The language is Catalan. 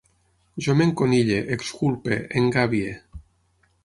Jo m'enconille, exculpe, engabie